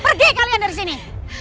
pergi kalian dari sini